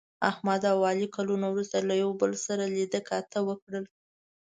احمد او علي کلونه وروسته یو له بل سره لیده کاته وکړل.